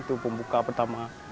itu pembuka pertama